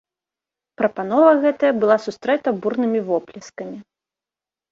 Прапанова гэтая была сустрэта бурнымі воплескамі.